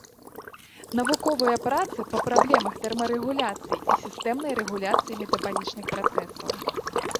Навуковыя працы па праблемах тэрмарэгуляцыі і сістэмнай рэгуляцыі метабалічных працэсаў.